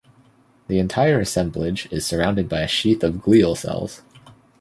The entire assemblage is surrounded by a sheath of glial cells.